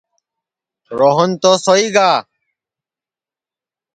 روہن تو سوئی گا